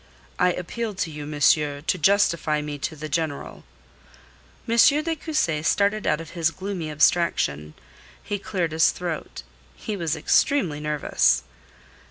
"I appeal to you, monsieur, to justify me to the General." M. de Cussy started out of his gloomy abstraction. He cleared his throat. He was extremely nervous.